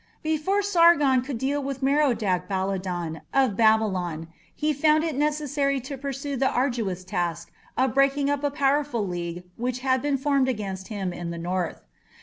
Before Sargon could deal with Merodach Baladan of Babylon, he found it necessary to pursue the arduous task of breaking up a powerful league which had been formed against him in the north.